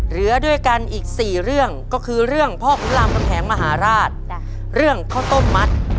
เหลือด้วยกันอีก๔เรื่องก็คือเรื่องพ่อขุนรามคำแหงมหาราชเรื่องข้าวต้มมัด